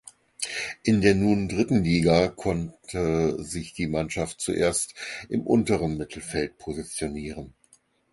In der nun dritten Liga konnte sich die Mannschaft zuerst im unteren Mittelfeld positionieren.